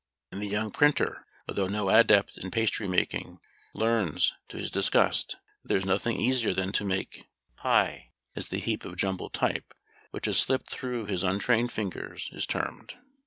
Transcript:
And the young printer, although no adept in pastry making, learns, to his disgust, that there is nothing easier than to make "pi," as the heap of jumbled type, which has slipped through his untrained fingers, is termed.